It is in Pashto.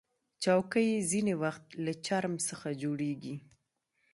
چوکۍ ځینې وخت له چرم څخه جوړیږي.